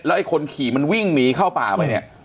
ไอ้คนขี่มันวิ่งหนีเข้าป่าไปเนี่ย